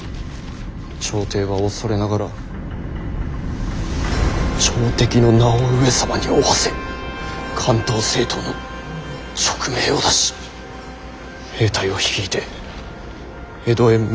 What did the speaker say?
「朝廷は恐れながら朝敵の名を上様に負わせ関東征討の勅命を出し兵隊を率いて江戸へ向かうとの風説」。